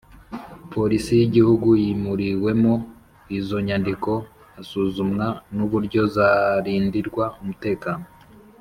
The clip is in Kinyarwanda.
Polisi y Igihugu yimuriwemo izo nyandiko hasuzumwa n uburyo zarindirwa umutekano